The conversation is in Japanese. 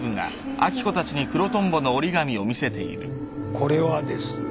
これはですね